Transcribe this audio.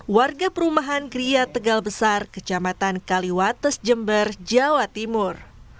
warga perumahan kria tegal besar kecamatan kaliwates jember jawa timur